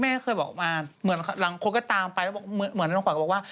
แม่เคยบอกออกมาหลังคนก็ตามไปเหมือนให้น้องขวัญก็บอกว่า